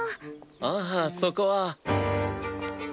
ああそこは。